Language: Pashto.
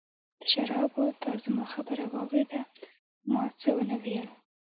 د شرابو، تا زما خبره واورېده، ما څه ونه ویل.